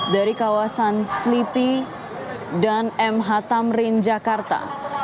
dari kawasan slipi dan mhtamrin jakarta